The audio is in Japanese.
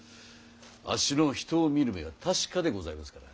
あっしの人を見る目は確かでございますから。